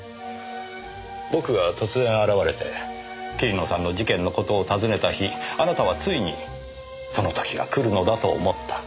僕が突然現れて桐野さんの事件の事を尋ねた日あなたはついにその時が来るのだと思った。